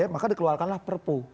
maka dikeluarkanlah perpu